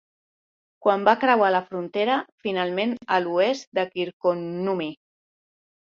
Quan van creuar la frontera finalment a l"oest de Kirkkonummi.